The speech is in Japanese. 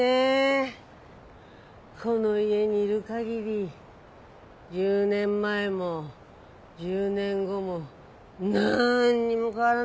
この家にいる限り１０年前も１０年後もなんにも変わらないもんね。